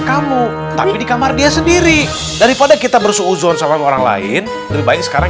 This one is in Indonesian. kamu tapi di kamar dia sendiri daripada kita bersuuzon sama orang lain lebih baik sekarang